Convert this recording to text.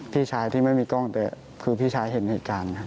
พี่ชายที่ไม่มีกล้องพี่ช้าเห็นเหตุการณ์